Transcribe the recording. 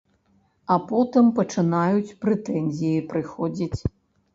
А потым пачынаюць прэтэнзіі прыходзіць.